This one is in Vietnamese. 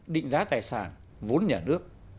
định giá tài sản vốn nhà nước